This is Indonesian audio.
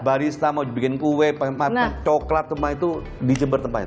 barista mau dibikin kue coklat semua itu di jember tempatnya